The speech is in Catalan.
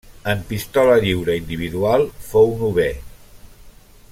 En pistola lliure individual fou novè.